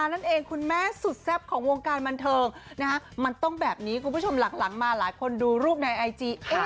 นั่นเองคุณแม่สุดแซ่บของวงการบันเทิงมันต้องแบบนี้คุณผู้ชมหลังมาหลายคนดูรูปในไอจี